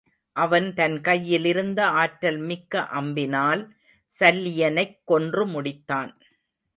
அவன் தன் கையிலிருந்த ஆற்றல் மிக்க அம்பினால் சல்லியனைக் கொன்று முடித்தான்.